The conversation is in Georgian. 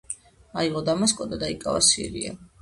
აიღო დამასკო და დაიკავა სირია.